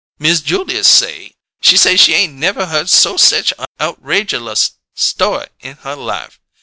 "Miss Julia say, she say she ain't never hear no sech outragelous sto'y in her life!